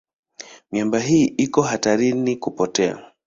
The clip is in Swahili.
Miamba hii iko hatarini kupotea.